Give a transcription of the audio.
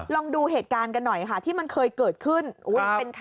ลองดูเหตุการณ์กันหน่อยค่ะที่มันเคยเกิดขึ้น